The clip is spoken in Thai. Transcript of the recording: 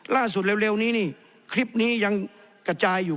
เร็วนี้นี่คลิปนี้ยังกระจายอยู่